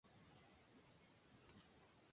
La sección Cooke produjo oro y uranio.